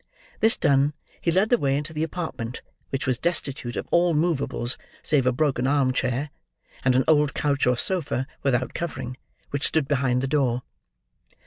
This done, he led the way into the apartment; which was destitute of all movables save a broken arm chair, and an old couch or sofa without covering, which stood behind the door.